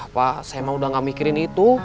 pak saya emang udah gak mikirin itu